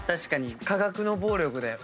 価格の暴力だよ。